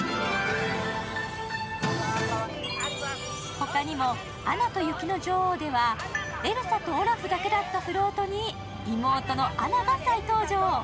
他にも「アナと雪の女王」ではエルサとオラフだけだったフロートに妹のアナが再登場。